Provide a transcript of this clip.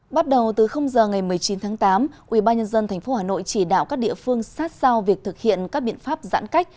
bắt đầu từ giờ ngày một mươi chín tháng tám ubnd tp hà nội chỉ đạo các địa phương sát sao việc thực hiện các biện pháp giãn cách